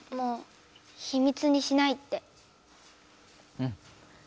うん。